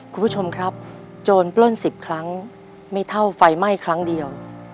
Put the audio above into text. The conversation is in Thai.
คุณผู้ชมครับโจรปล้น๑๐ครั้งไม่เท่าไฟไหม้ครั้งเดียว